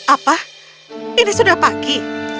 apa ini sudah pagi